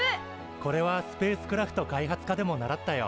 これはスペースクラフト開発科でも習ったよ。